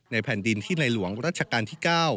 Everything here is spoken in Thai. แผ่นดินที่ในหลวงรัชกาลที่๙